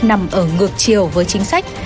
nằm ở ngược chiều với chính sách